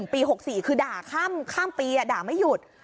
ปี๖๔คือด่าข้ามปีด่าไม่หยุด